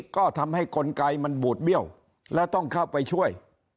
ก็ทำให้กลไกมันบูดเบี้ยวและต้องเข้าไปช่วย